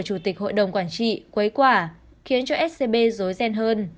chủ tịch hội đồng quản trị quấy quả khiến cho scb dối ghen hơn